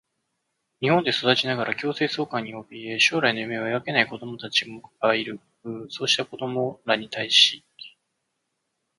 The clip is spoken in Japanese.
日本で育ちながら強制送還におびえ、将来の夢を描けない子どもたちがいる。そうした子どもらに対し、